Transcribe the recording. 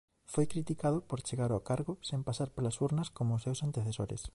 Foi criticado por chegar ao cargo sen pasar polas urnas como os seus antecesores.